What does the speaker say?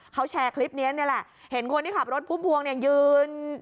เขาแชร์คลิปนี้นี่แหละเห็นคนที่ขับรถพุ่มพวงเนี่ยยืน